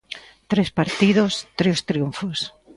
Tres partidos, tres triunfos.